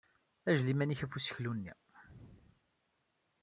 Agel iman-ik ɣef useklu-nni.